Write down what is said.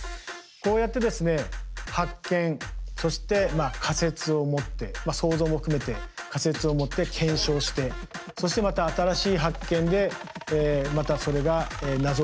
こうやってですね発見そして仮説を持って想像も含めて仮説を持って検証してそしてまた新しい発見でまたそれが謎が深まっていく。